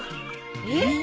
えっ？